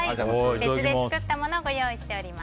別で作ったものをご用意していいます。